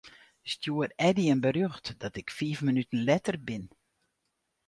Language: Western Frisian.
Stjoer Eddy in berjocht dat ik fiif minuten letter bin.